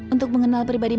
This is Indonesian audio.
untuk mengenal peribadi